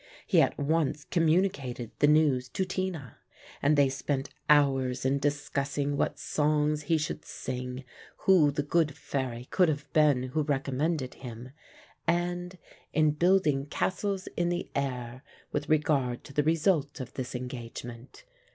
He at once communicated the news to Tina, and they spent hours in discussing what songs he should sing, who the good fairy could have been who recommended him, and in building castles in the air with regard to the result of this engagement.